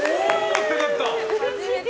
ってなった！